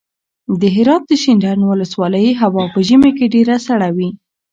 د هرات د شینډنډ ولسوالۍ هوا په ژمي کې ډېره سړه وي.